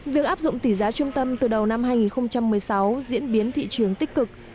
việc áp dụng tỷ giá trung tâm từ đầu năm hai nghìn một mươi sáu diễn biến thị trường tích cực